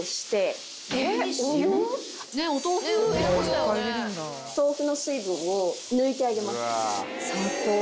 さらに豆腐の水分を抜いてあげます。